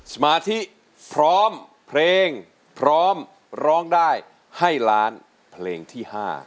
สมาธิพร้อมเพลงพร้อมร้องได้ให้ล้านเพลงที่๕